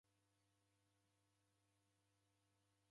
Dalaghaya chia.